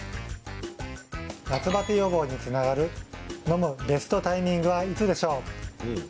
夏バテ予防につながる飲むベストタイミングはいつでしょう？